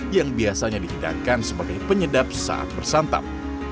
yang biasanya dihidangkan sebagai penyedap saat bersantap